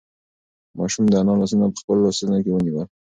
ماشوم د انا لاسونه په خپلو لاسو کې ونیول.